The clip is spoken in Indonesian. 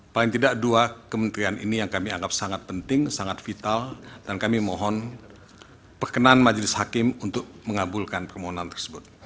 paling tidak dua kementerian ini yang kami anggap sangat penting sangat vital dan kami mohon perkenan majelis hakim untuk mengabulkan permohonan tersebut